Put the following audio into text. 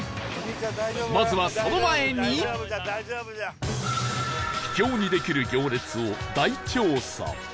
まずは秘境にできる行列を大調査